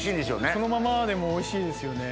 そのままでもおいしいですよね。